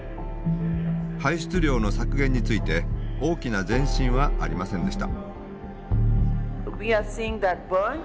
排出量の削減について大きな前進はありませんでした。